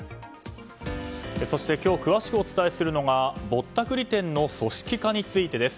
そして、今日詳しくお伝えするのがぼったくり店の組織化についてです。